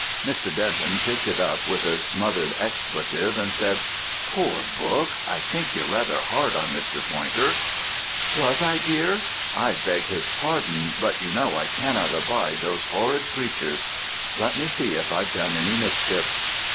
Mr. Denton picked it up with a smothered expletive and said, "Poor book! I think you're rather hard on Mr. Poynter." "Was I, my dear? I beg his pardon, but you know I cannot abide those horrid creatures. Let me see if I've done any mischief."